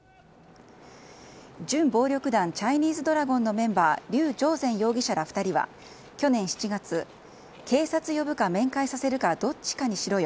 準暴力団チャイニーズドラゴンのメンバーリュウ・ジョウゼン容疑者ら２人は去年７月警察呼ぶか面会させるかどっちかにしろよ。